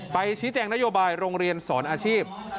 ไปชี้แจงนโยบายโรงเรียนสอนอาชีพ